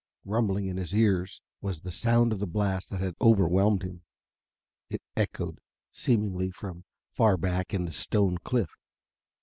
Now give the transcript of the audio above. Rumbling in his ears was the sound of the blast that had overwhelmed him. It echoed, seemingly, from far back in the stone cliff.